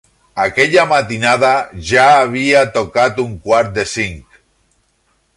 Aquella matinada, ja havia tocat un quart de cinc.